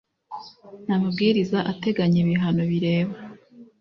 n amabwiriza ateganya ibihano bireba